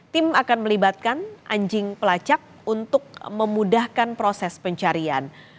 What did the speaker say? tim akan melibatkan anjing pelacak untuk memudahkan proses pencarian